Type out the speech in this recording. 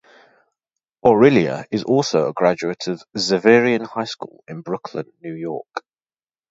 Aurilia is also a graduate of Xaverian High School in Brooklyn, New York.